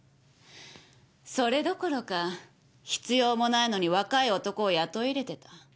それどころか必要もないのに若い男を雇い入れてた。